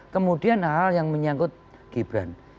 kemudian hal hal yang menyangkut gibran